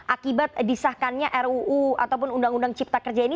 akibat disahkannya ruu ataupun undang undang cipta kerja ini